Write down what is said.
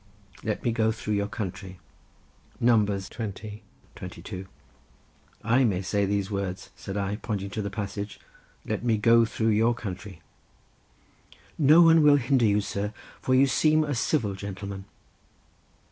Let me go through your country. Numbers XX. 22. "I may say these words," said I, pointing to the passage, "Let me go through your country." "No one will hinder you, sir, for you seem a civil gentleman."